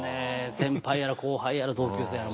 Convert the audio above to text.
先輩やら後輩やら同級生やら。